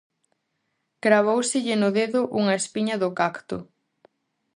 Cravóuselle no dedo unha espiña do cacto.